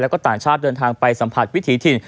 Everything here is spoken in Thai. แล้วก็ต่างชาติเดินทางไปสัมผัสวิถีถิ่น